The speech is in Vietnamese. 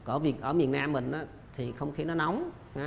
ở miền nam mình á thì không khiến nó nóng